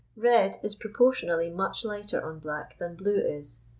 Red is proportionally much lighter on black than blue is.